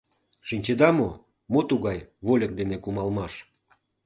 Шинчеда мо: мо тугай вольык дене кумалмаш?